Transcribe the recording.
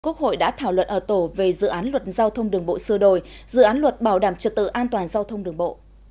quốc hội đã thảo luận ở tổ về dự án luật giao thông đường bộ xưa đổi dự án luật bảo đảm trật tự an toàn giao thông đường bộ